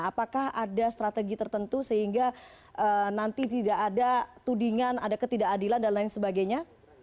apakah ada strategi tertentu sehingga nanti tidak ada tudingan ada ketidakadilan dan lain sebagainya